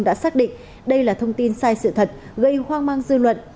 đã xác định đây là thông tin sai sự thật gây hoang mang dư luận